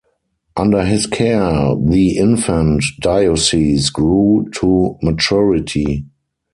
Under his care the infant diocese grew to maturity.